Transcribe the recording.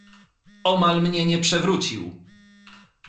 "Omal mnie nie przewrócił."